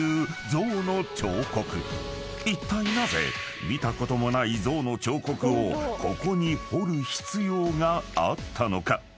［いったいなぜ見たこともない象の彫刻をここに彫る必要があったのか？］